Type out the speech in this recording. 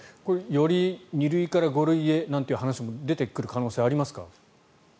より２類から５類へなんていう話も出てくる可能性がありますか？